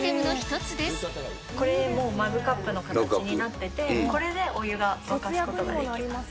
これもう、マグカップの形になってて、これでお湯が沸かすことができます。